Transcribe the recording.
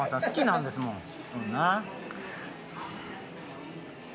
好きなんですもん。